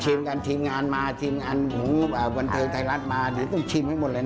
ชิมกันทีมงานมาทีมงานบันเทิงไทยรัฐมาต้องชิมให้หมดเลยนะ